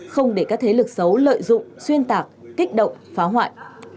không để các thế lực xấu lợi dụng xuyên tạc kích động phá hoại